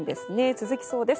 続きそうです。